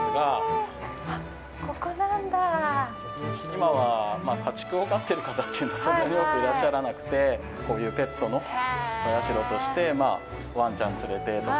今は家畜を飼ってる方っていうのはそんなに多くいらっしゃらなくてこういうペットのお社としてわんちゃん連れてとか。